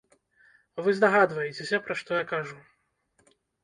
Вы здагадваецеся, пра што я кажу.